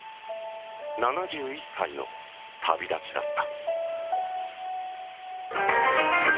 ７１歳の旅立ちだった。